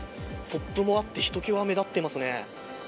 ポップもあってひときわ目立っていますね。